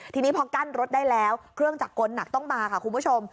ทีนี้พอกั้นรถได้แล้วเครื่องจักรกลหนักต้องมาค่ะคุณผู้ชม